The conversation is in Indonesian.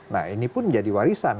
nah ini pun menjadi warisan